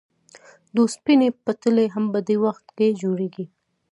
د اوسپنې پټلۍ هم په دې وخت کې جوړېږي